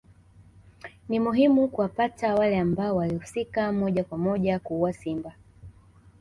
Ni muhimu kuwapata wale ambao walihusika moja kwa moja kuua Simba